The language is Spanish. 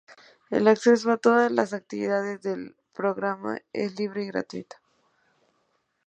El acceso a todas las actividades del programa es libre y gratuito.